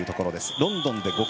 ロンドンで５冠。